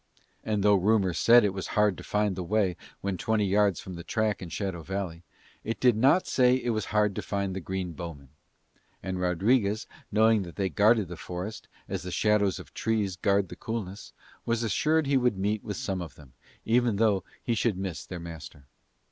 And though rumour said it was hard to find the way when twenty yards from the track in Shadow Valley, it did not say it was hard to find the green bowmen: and Rodriguez, knowing that they guarded the forest as the shadows of trees guard the coolness, was assured he would meet with some of them even though he should miss their master.